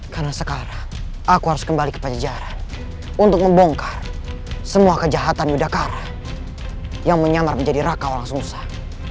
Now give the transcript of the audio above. karena sekarang aku harus kembali ke pajajara untuk membongkar semua kejahatan yudhakara yang menyamar menjadi rakau langsung usah